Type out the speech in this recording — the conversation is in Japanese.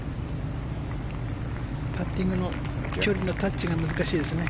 パッティングの距離のタッチが難しいですね。